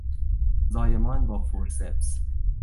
زایمان با فورسپس